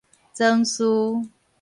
銓敘